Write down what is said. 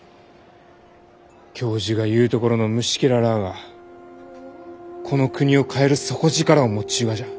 教授が言うところの「虫けら」らあがこの国を変える底力を持っちゅうがじゃ。